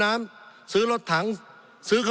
สงบจนจะตายหมดแล้วครับ